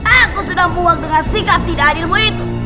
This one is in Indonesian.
aku sudah muak dengan sikap tidak adilmu itu